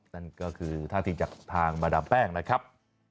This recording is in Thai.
นั่นก็คือท่าทีจากทางมาดามแป้งนะครับ